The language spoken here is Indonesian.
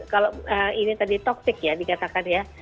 kalau ini tadi topik ya dikatakan ya